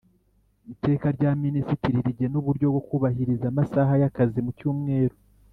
Iteka rya Minisitiri rigena uburyo bwo kubahiriza amasaha y akazi mu cyumweru